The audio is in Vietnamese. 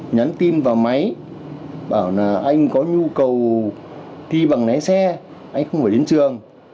nhắn tin vào máy bảo là anh có nhu cầu thi bằng lái xe anh không phải đến trường